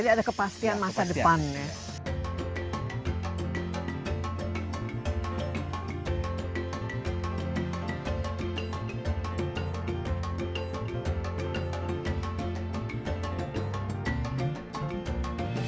jadi ada kepastian masa depannya